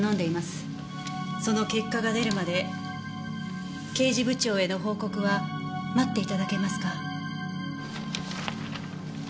その結果が出るまで刑事部長への報告は待って頂けますか？